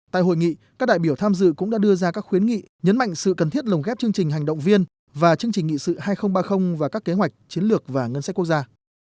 tại hội nghị các đại biểu tham dự cũng đã đưa ra các khuyến nghị nhấn mạnh sự cần thiết lồng ghép chương trình hành động viên và chương trình nghị sự hai nghìn ba mươi và các kế hoạch chiến lược và ngân sách quốc gia